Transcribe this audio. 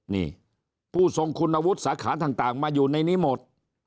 นี่ผู้ทรงคุณวุฒิสาขาต่างมาอยู่ในนี้หมด